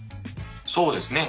そうですね。